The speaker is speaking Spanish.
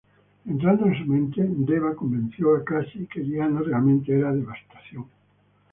Entrando en su mente, Deva convenció a Cassie que Diana realmente era Devastación.